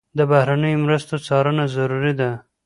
د بهرنیو مرستو څارنه ضروري ده.